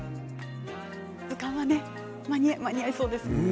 図鑑は間に合いそうですね。